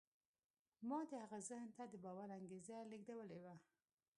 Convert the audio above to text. ما د هغه ذهن ته د باور انګېزه لېږدولې وه